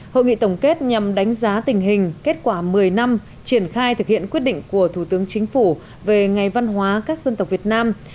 hội nghị tổng kết nhằm đánh giá tình hình kết quả một mươi năm triển khai thực hiện quyết định của thủ tướng chính phủ về ngày văn hóa các dân tộc việt nam